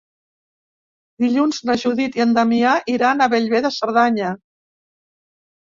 Dilluns na Judit i en Damià iran a Bellver de Cerdanya.